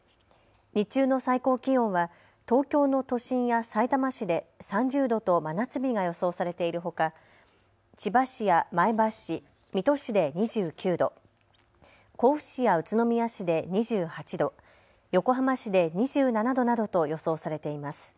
日中の最高気温は東京の都心やさいたま市で３０度と真夏日が予想されているほか千葉市や前橋市、水戸市で２９度、甲府市や宇都宮市で２８度、横浜市で２７度などと予想されています。